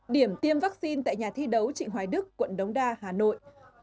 điểm tiêm vaccine tại nhà thi đấu trịnh hoài đức quận đống đa hà nội